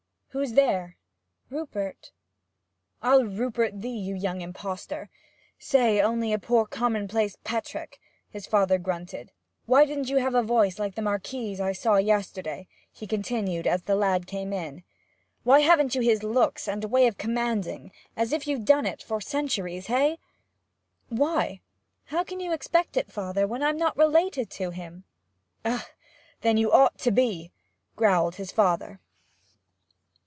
'Who's there?' 'Rupert.' 'I'll Rupert thee, you young impostor! Say, only a poor commonplace Petrick!' his father grunted. 'Why didn't you have a voice like the Marquis's I saw yesterday?' he continued, as the lad came in. 'Why haven't you his looks, and a way of commanding, as if you'd done it for centuries hey?' 'Why? How can you expect it, father, when I'm not related to him?' 'Ugh! Then you ought to be!' growled his father.